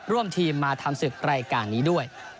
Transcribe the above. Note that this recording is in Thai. ร่วมทีมมาทำศึกรายการนี้ด้วย